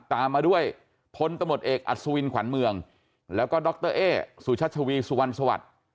ตามมาด้วยพลตำรวจเอกอัศวินขวัญเมืองแล้วก็ดรเอ๊สุชัชวีสุวรรณสวัสดิ์